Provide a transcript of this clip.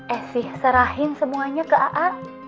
esy serahin semuanya ke aa